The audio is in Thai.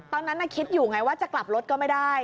ตอนนั้นคิดอยู่ไงว่าจะกลับรถก็ไม่ได้